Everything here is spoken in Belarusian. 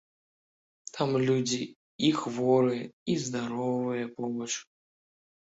Там людзі і хворыя, і здаровыя побач.